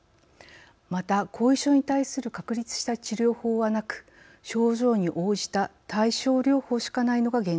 また後遺症に対する確立した治療法はなく症状に応じた対症療法しかないのが現状です。